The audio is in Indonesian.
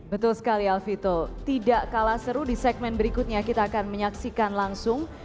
betul sekali alfito tidak kalah seru di segmen berikutnya kita akan menyaksikan langsung